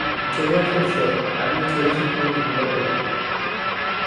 চলে আসো ঈশ্বর, আমি এই চোরা শিকারীদের ঘৃণা করি।